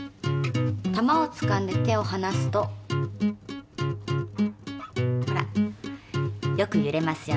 玉をつかんで手をはなすとほらよくゆれますよね。